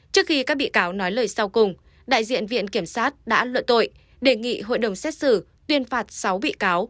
trước khi các bị cáo nói lời sau cùng đại diện viện kiểm sát đã luận tội đề nghị hội đồng xét xử tuyên phạt sáu bị cáo